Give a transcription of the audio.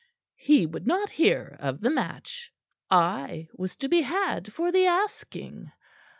He would not hear of the match. I was to be had for the asking.